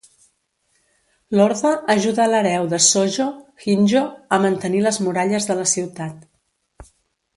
L'Orde ajuda l'hereu de Shojo, Hinjo, a mantenir les muralles de la ciutat.